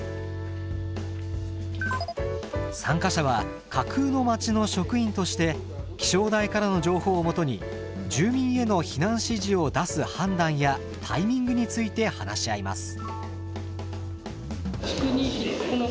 参加者は架空の町の職員として気象台からの情報をもとに住民への避難指示を出す判断やタイミングについて話し合います。